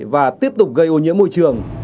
và tiếp tục gây ô nhiễm môi trường